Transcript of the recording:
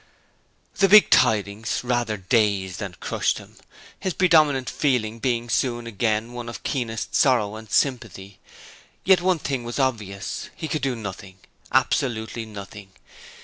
The big tidings rather dazed than crushed him, his predominant feeling being soon again one of keenest sorrow and sympathy. Yet one thing was obvious; he could do nothing absolutely nothing.